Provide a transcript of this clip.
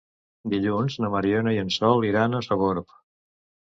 Dilluns na Mariona i en Sol iran a Sogorb.